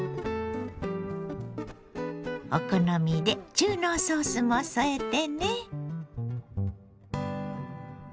お好みで中濃ソースも添えてね。